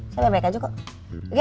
saya baik baik aja kok